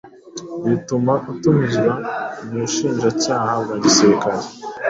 bituma atumizwa mu bushinjacyaha bwa gisirikare.